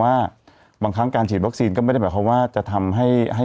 ว่าบางครั้งการฉีดวัคซีนก็ไม่ได้หมายความว่าจะทำให้ให้